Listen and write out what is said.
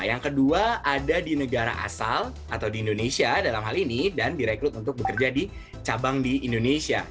yang kedua ada di negara asal atau di indonesia dalam hal ini dan direkrut untuk bekerja di cabang di indonesia